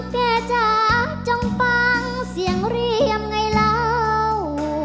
จ้าจงฟังเสียงเรียมไงแล้ว